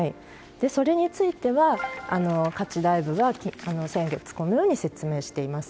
それについては、加地大夫が先月、このように説明しています。